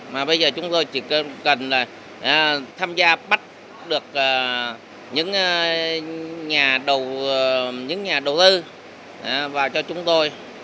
mà bây giờ chúng tôi chỉ cần là tham gia bắt được những nhà đầu tư vào cho chúng tôi